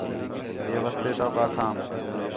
ہے واسطے توک آکھام